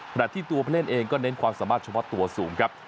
หลักที่ตัวเพลินเองก็เน้นความสามารถชมพงฅตัสูงครับ